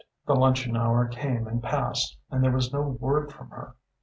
"The luncheon hour came and passed, and there was no word from her.